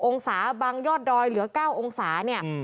องศาบางยอดดอยเหลือ๙องศาเนี่ย